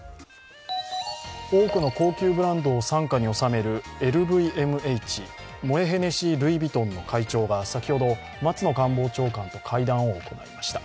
多くの高級ブランドを傘下に収めるＬＶＭＨ＝モエ・ヘネシー・ルイ・ヴィトンの会長が先ほど松野官房長官と会談を行いました。